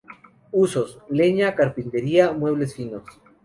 Usos: Leña, carpintería, muebles finos.